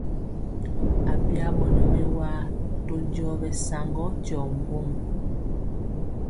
Abya ɓɔnɔ mɛwaa to njɔɔ ɓɛsaŋgɔ tyɔ ŋgom.